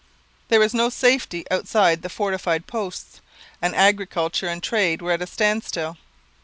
There was no safety outside the fortified posts, and agriculture and trade were at a standstill.